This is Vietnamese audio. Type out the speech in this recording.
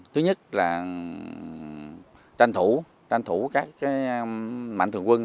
thứ nhất là tranh thủ các mạnh thường quân